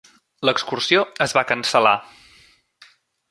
L'excursió es va cancel·lar.